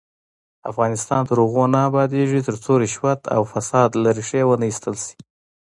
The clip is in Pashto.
افغانستان تر هغو نه ابادیږي، ترڅو رشوت او فساد له ریښې ونه ایستل شي.